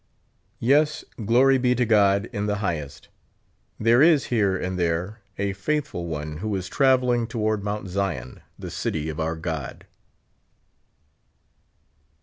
Yes, glory be to God in the highest, there is here and there a faithful one, who is traveling toward Mount Zion, the city of our God.